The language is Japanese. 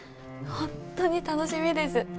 本当に楽しみです。